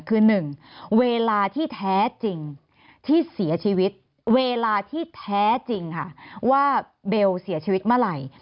คือ๑เวลาที่แท้จริงที่เสียชีวิตเวลาที่แท้จริงค่ะว่าเบลเสียชีวิตเมื่อไหร่